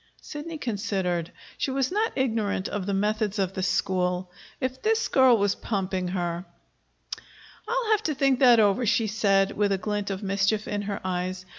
Sidney considered. She was not ignorant of the methods of the school. If this girl was pumping her "I'll have to think that over," she said, with a glint of mischief in her eyes.